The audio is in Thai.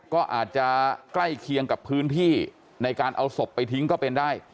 ก็อาจจะใกล้เคียงกับพื้นที่ในการเอาศพไปทิ้งก็เป็นได้